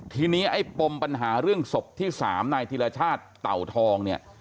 ทีนี้ไอ้ปมปัญหาเรื่องศพที่๓นายธิรชาติเต่าทองเนี่ย